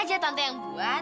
aja tante yang buat